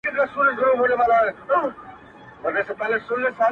و دهقان ته يې ورپېښ کړل تاوانونه!